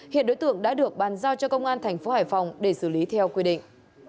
hiện đối tượng đã được bàn giao cho công an thành phố hải phòng để xử lý theo quy định